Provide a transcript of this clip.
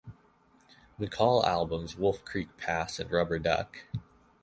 McCall albums Wolf Creek Pass and Rubber Duck.